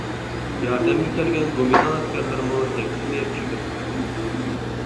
ياردەمگە كەلگەن گومىنداڭ ئەسكەرلىرىمۇ دەككىسىنى يەپ چېكىنىدۇ.